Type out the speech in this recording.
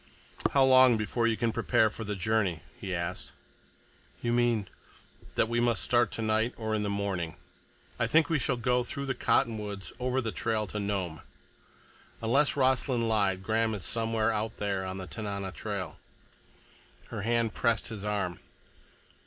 "How long before you can prepare for the journey?" he asked. "You mean—" "That we must start tonight or in the morning. I think we shall go through the cottonwoods over the old trail to Nome. Unless Rossland lied, Graham is somewhere out there on the Tanana trail." Her hand pressed his arm.